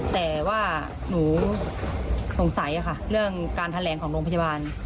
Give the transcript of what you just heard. แต่ว่าหนูสงสัยค่ะเรื่องการแถลงของโรงพยาบาล